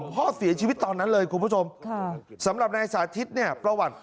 พ่อเสียชีวิตตอนนั้นเลยคุณผู้ชมสำหรับนายสาธิตเนี่ยประวัติ